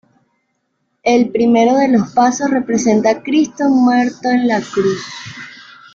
El primero de los pasos representa a Cristo muerto en la cruz.